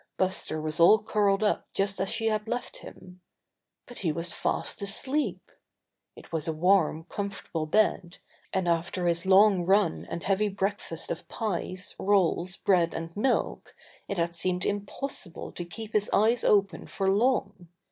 Buster was all curled up just as she had left him. But he was fast asleep ! It was a warm, comfortable bed, and after his long run and heavy breakfast of pies, rolls, bread and milk it had seemed impossible to keep his eyes open for long.